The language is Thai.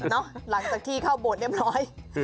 หลังจากที่เข้าโบสถ์เรียบร้อย